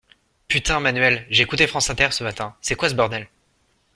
Putain, Manuel, j’ai écouté France Inter ce matin, c’est quoi ce bordel?